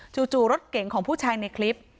รถเก่งของผู้ชายในคลิป